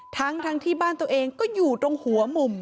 ทั้งที่บ้านตัวเองก็อยู่ตรงหัวมุม